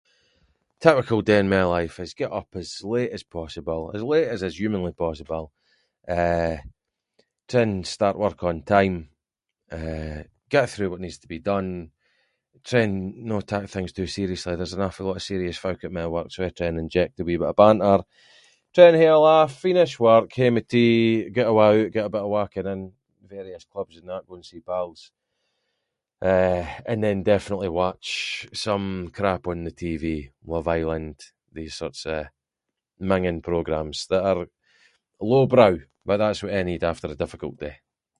Typical day in my life is get up as late as possible, as late as is humanly possible, eh try and start work on time, eh get through what needs to be done, try and no tak things too seriously, there’s an awfie lot of serious folk at my work, so I try and inject a wee bit of banter, try and hae a laugh, finish work, hae my tea, get awa’ out, get a bit of walking in, various pubs and that, go and see pals, eh, and then definitely watch some crap on the TV, Love Island, these sorts of mingin' programs that are low-brow, but that’s what I need after a difficult day.